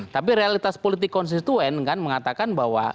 tapi realitas politik konstituen kan mengatakan bahwa